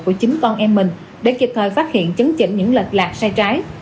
của chính con em mình để kịp thời phát hiện chấn chỉnh những lệch lạc sai trái